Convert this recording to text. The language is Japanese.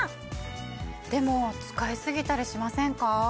でも使い過ぎたりしませんか？